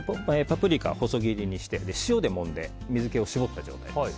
パプリカを細切りにして塩でもんで水気を絞った状態です。